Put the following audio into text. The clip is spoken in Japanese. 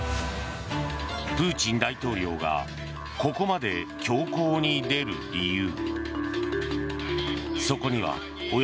プーチン大統領がここまで強硬に出る理由。